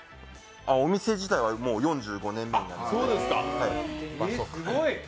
お店自体は４５年になります。